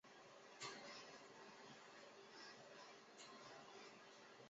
坊间多有将她记载为黄凤仪。